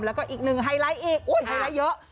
แล้วก็อีกหนึ่งไฮไลท์อีกไฮไลท์เยอะ